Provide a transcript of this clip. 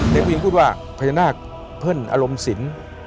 เด็กผู้หญิงพูดว่าพญานาคเพิ่นอารมณ์สิน